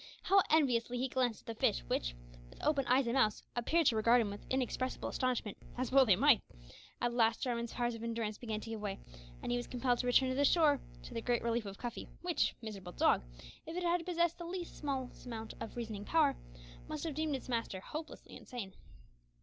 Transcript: How enviously he glanced at the fish which, with open eyes and mouths, appeared to regard him with inexpressible astonishment as well they might! At last Jarwin's powers of endurance began to give way, and he was compelled to return to the shore, to the great relief of Cuffy, which miserable dog, if it had possessed the smallest amount of reasoning power, must have deemed its master hopelessly insane.